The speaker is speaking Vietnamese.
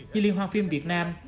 như liên hoan phim việt nam